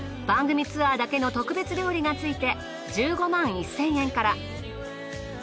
番組ツアーだけの特別料理が付いて１５１，０００円から。